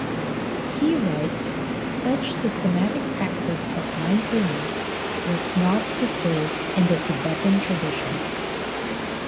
He writes, such systematic practice of mindfulness was not preserved in the Tibetan traditions.